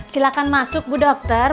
silahkan masuk bu dokter